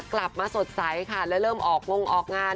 กลับมาสดใสค่ะและเริ่มออกงงออกงาน